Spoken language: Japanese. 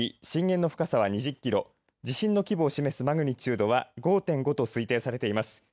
震源の深さは２０キロ地震の規模を示すマグニチュードは５．５と推定されています。